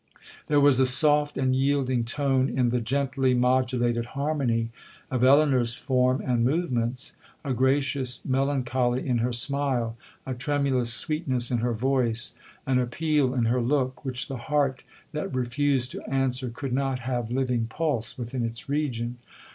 There was a soft and yielding tone in the gently modulated harmony of Elinor's form and movements,—a gracious melancholy in her smile,—a tremulous sweetness in her voice,—an appeal in her look, which the heart that refused to answer could not have living pulse within its region.